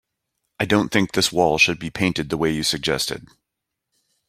I don't think this wall should be painted the way you suggested.